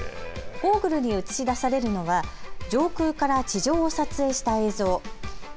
ゴーグルに映し出されるのは上空から地上を撮影した映像。